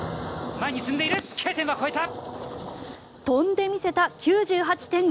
飛んでみせた９８．５ｍ。